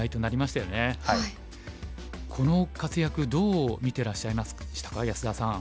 この活躍どう見てらっしゃいましたか安田さん。